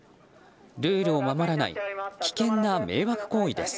ルールを守らない危険な迷惑行為です。